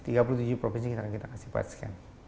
tiga puluh tujuh provinsi akan kita kasih pet scan